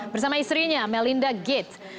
bersama istrinya melinda gates